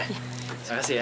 terima kasih ya